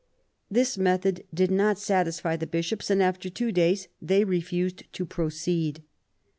This method did not satisfy the Bishops and, after two days, they refused to proceed.